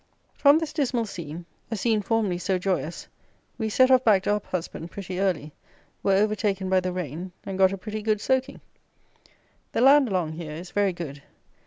From this dismal scene, a scene formerly so joyous, we set off back to Uphusband pretty early, were overtaken by the rain, and got a pretty good soaking. The land along here is very good.